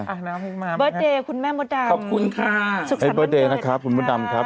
อ่าน้ำให้มาบริษัทคุณแม่มดดำขอบคุณค่ะให้บริษัทนะครับคุณมดดำครับ